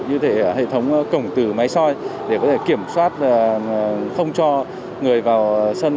như thể hệ thống cổng từ máy soi để có thể kiểm soát không cho người vào sân